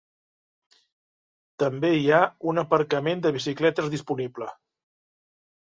També hi ha un aparcament de bicicletes disponible.